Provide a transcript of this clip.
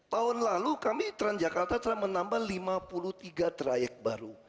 tahun lalu kami transjakarta telah menambah lima puluh tiga trayek baru